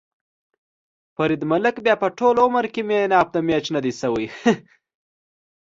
فرید ملک بیا به ټول عمر کې مېن اف ده مېچ ندی شوی.ههه